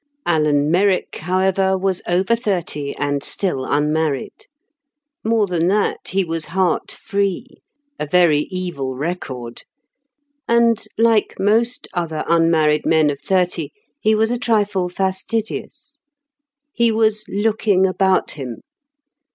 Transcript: Alan Merrick, however, was over thirty and still unmarried. More than that, he was heart free—a very evil record. And, like most other unmarried men of thirty, he was a trifle fastidious. He was "looking about him."